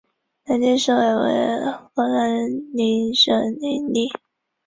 南定市改为河南宁省省莅。